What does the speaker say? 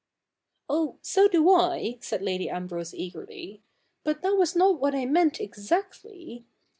' Oh, so do I,' said Lady Ambrose eagerly, ' but that was not \vhat 1 meant exactly.